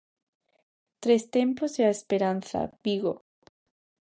Tres tempos e a esperanza, Vigo: